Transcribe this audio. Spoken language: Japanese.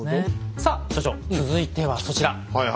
さあ所長続いてはそちら。